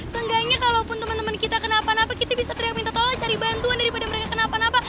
seenggaknya kalau temen temen kita kenapa napa kita bisa teringat minta tolong cari bantuan daripada mereka kenapa napa